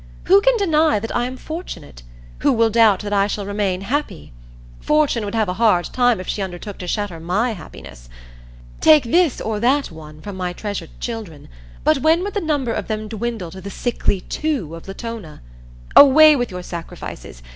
Who can deny that I am fortunate? Who will doubt that I shall remain happy? Fortune would have a hard time if she undertook to shatter my happiness. Take this or that one from my treasured children; but when would the number of them dwindle to the sickly two of Latona? Away with your sacrifices!